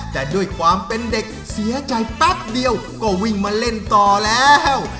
แต่ด้วยความเป็นเด็กเสียใจแป๊บเดียวก็วิ่งมาเล่นต่อแล้ว